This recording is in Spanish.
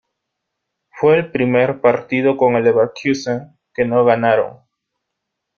Fue el primer partido con el Leverkusen que no ganaron.